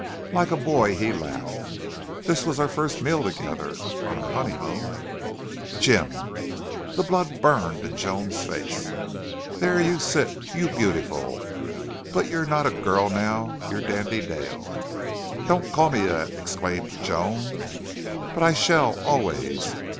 Like a boy he laughed. "This was our first meal together on our honeymoon!" "Jim!" The blood burned in Joan's face. "There you sit you beautiful... But you're not a girl now. You're Dandy Dale." "Don't call me that!" exclaimed Joan. "But I shall always.